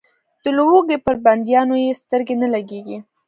د لوږې پر بندیانو یې سترګې نه لګېږي.